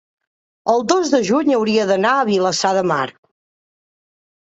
el dos de juny hauria d'anar a Vilassar de Mar.